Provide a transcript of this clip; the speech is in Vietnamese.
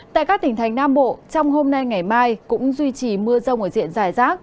tại các tỉnh thành nam bộ trong hôm nay ngày mai cũng duy trì mưa rông ở diện dài rác